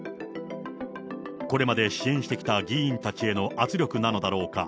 これまで支援してきた議員たちへの圧力なのだろうか。